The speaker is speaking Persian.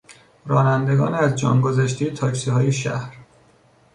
رانندگان از جان گذشتهی تاکسیهای شهر